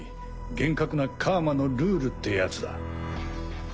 厳格な楔のルールってやつだ。